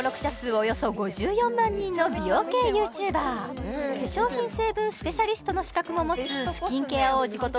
およそ５４万人の美容系ＹｏｕＴｕｂｅｒ化粧品成分スペシャリストの資格も持つスキンケア王子こと